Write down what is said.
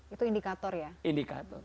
itu indikator ya